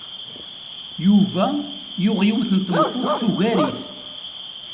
Yuba yuɣ yiwet n tmeṭṭut tugar-it.